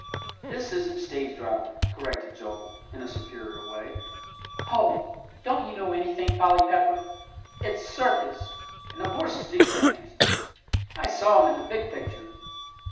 "This isn't stage driver," corrected Joel, in a superior way. "Hoh! don't you know anything, Polly Pepper! It's circus! And the horses do things. I saw 'em in the big picture."